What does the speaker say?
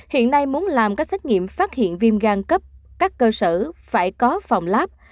hiện nay muốn làm các xét nghiệm phát hiện viêm gan cấp các cơ sở phải có phòng lab